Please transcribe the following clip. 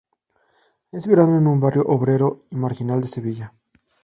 Es verano en un barrio obrero y marginal de Sevilla.